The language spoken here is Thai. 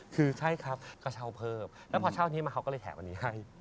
คือใช่ครับก็เช่าเพิ่มแล้วพอเช่านี้มาเขาก็เลยแถมอันนี้ให้